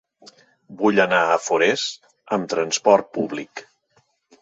Vull anar a Forès amb trasport públic.